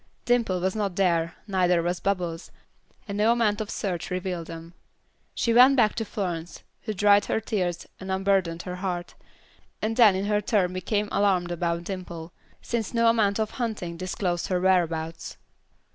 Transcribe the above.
Dimple was not there, neither was Bubbles, and no amount of search revealed them. She went back to Florence, who dried her tears and unburdened her heart, and then in her turn became alarmed about Dimple, since no amount of hunting disclosed her whereabouts.